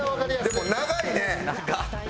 でも長いね。